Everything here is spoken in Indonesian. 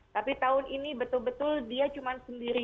tapi tahun ini betul betul dia cuma sendiri